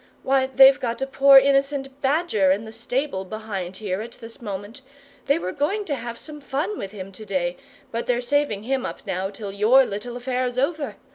Why, they've got a poor innocent badger in the stable behind here, at this moment. They were going to have some fun with him to day, but they're saving him up now till YOUR little affair's over.